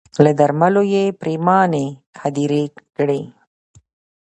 له درملو یې پرېماني هدیرې کړې